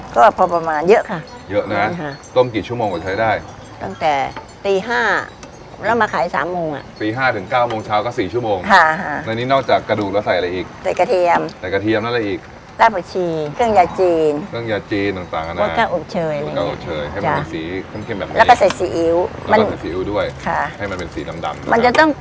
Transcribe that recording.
ก็พอประมาณเยอะค่ะเยอะนะฮะต้มกี่ชั่วโมงก็ใช้ได้ตั้งแต่ตีห้า